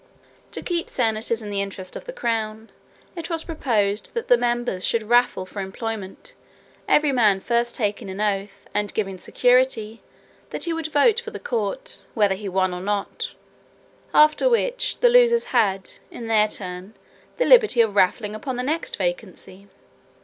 To keep senators in the interest of the crown, it was proposed that the members should raffle for employments; every man first taking an oath, and giving security, that he would vote for the court, whether he won or not; after which, the losers had, in their turn, the liberty of raffling upon the next vacancy.